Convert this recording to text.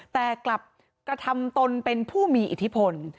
แต่กลับกระทำตนเป็นผู้มีอิทธิพล